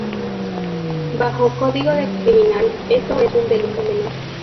Bajo código criminal, esto es un delito menor.